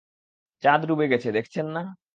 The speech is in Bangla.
চাঁদ ডুবে গেছে দেখছেন না?